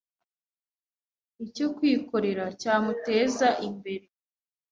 icyo kwikorera cyamuteza imbere,